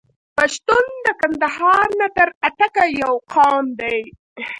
پښتون د کندهار نه تر اټکه یو قوم دی.